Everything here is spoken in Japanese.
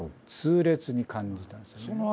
痛烈に感じたんですよね。